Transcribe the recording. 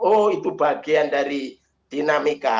oh itu bagian dari dinamika